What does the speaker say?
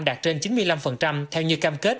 đạt trên chín mươi năm theo như cam kết